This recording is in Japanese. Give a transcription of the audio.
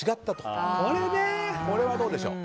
これはどうでしょう。